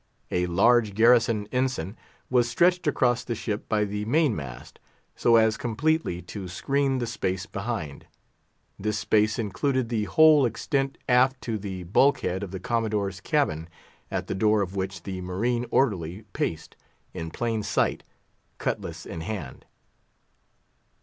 A large garrison ensign was stretched across the ship by the main mast, so as completely to screen the space behind. This space included the whole extent aft to the bulk head of the Commodore's cabin, at the door of which the marine orderly paced, in plain sight, cutlass in hand.